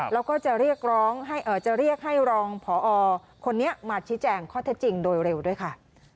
แล้วก็จะเรียกให้รองผอคนนี้มาชิดแจ่งข้อเท็จจริงโดยเร็วด้วยค่ะ